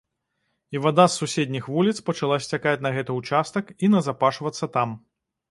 І вада з суседніх вуліц пачала сцякаць на гэты ўчастак і назапашвацца там.